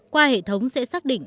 qua hệ thống sẽ xác định